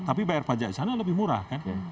tapi bayar pajak di sana lebih murah kan